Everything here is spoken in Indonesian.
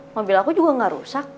mobil aku juga gak rusak